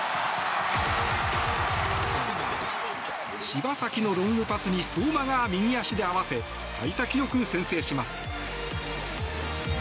柴崎のロングパスに相馬が右足で合わせ幸先良く先制します。